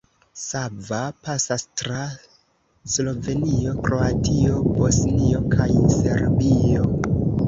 Sava pasas tra Slovenio, Kroatio, Bosnio kaj Serbio.